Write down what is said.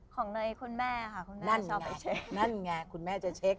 ของในคุณแม่ค่ะคุณแม่ชอบไปเช็คนั่นไงคุณแม่จะเช็ค